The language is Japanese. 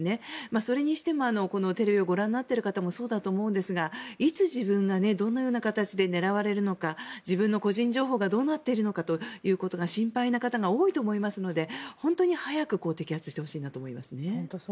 それにしてもテレビをご覧になっている方もそうだと思うんですがいつ自分がどのような形で狙われるのか自分の個人情報がどうなっているのか心配な方が多いと思いますので本当に早く摘発してほしいなと思いますね。